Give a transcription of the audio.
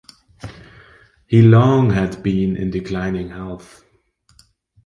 He long had been in declining health.